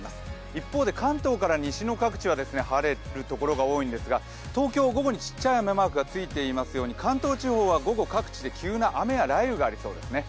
一方で関東から西の各地は晴れる所が多いんですが東京、午後に小さい雨マークがついていますように、午後、各地で急な雨や雷雨がありそうですね。